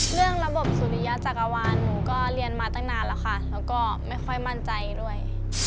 เรื่องระบบสุริยจักรวาลหนูก็เรียนมาตั้งนานแล้วค่ะแล้วก็ไม่ค่อยมั่นใจด้วย